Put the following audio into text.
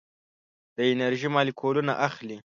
دا انرژي مالیکولونه اخلي.